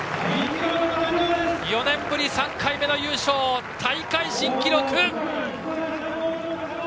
４年ぶり、３回目の優勝大会新記録！